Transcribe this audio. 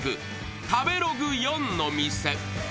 「食べログ４の店」